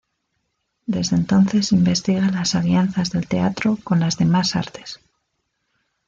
Desde entonces investiga las alianzas del teatro con las demás artes.